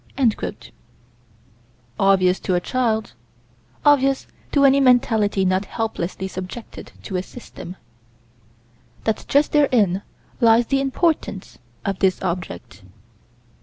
Obvious to a child; obvious to any mentality not helplessly subjected to a system: That just therein lies the importance of this object.